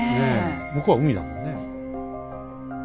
向こうは海だもんね。